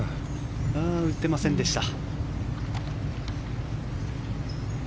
打てませんでした。